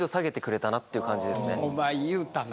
お前言うたな？